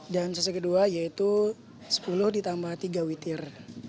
dan sesei kedua yaitu sepuluh ditambah tiga witir